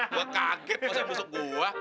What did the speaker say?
gue kaget pas yang masuk gua